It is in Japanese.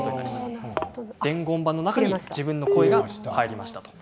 伝言板の中に自分の声が入りました。